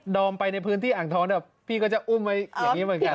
อมไปในพื้นที่อ่างท้องพี่ก็จะอุ้มไว้อย่างนี้เหมือนกัน